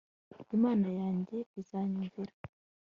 imana yanjye izanyumvira